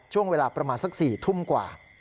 ช่วงเวลาประมาณสัก๔ทุ่มกว่า